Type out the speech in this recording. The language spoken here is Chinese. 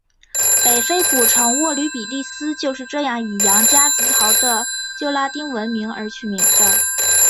北非古城沃吕比利斯就是以洋夹竹桃的旧拉丁文名而取名的。